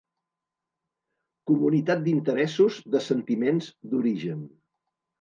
Comunitat d'interessos, de sentiments, d'origen.